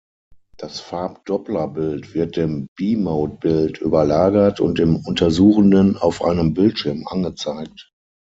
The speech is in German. Das Farbdoppler-Bild wird dem B-Mode-Bild überlagert und dem Untersuchenden auf einem Bildschirm angezeigt.